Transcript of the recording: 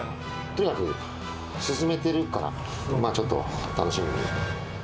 とにかく進めてるから、まあちょっと楽しみに。